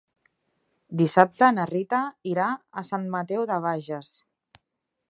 Dissabte na Rita irà a Sant Mateu de Bages.